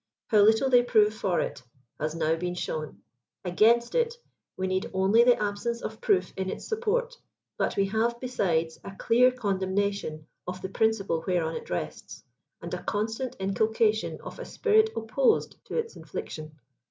How little they prove for it, has now been shown. Against it, we need only the absence of proof in its support, but we have, besides, a clear con demnation of the principle whereon it rests, and a constant inculca tion of a spirit opposed to its infliction.